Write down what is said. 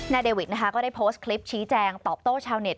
เดวิดนะคะก็ได้โพสต์คลิปชี้แจงตอบโต้ชาวเน็ต